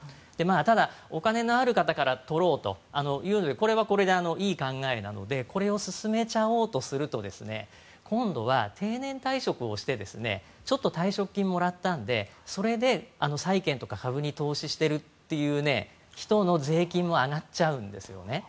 ただ、お金のある方から取ろうというこれはこれでいい考えなのでこれを進めちゃおうとすると今度は定年退職をしてちょっと退職金をもらったのでそれで債券とか株に投資しているという人の税金も上がっちゃうんですよね。